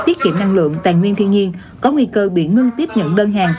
tiết kiệm năng lượng tài nguyên thiên nhiên có nguy cơ bị ngưng tiếp nhận đơn hàng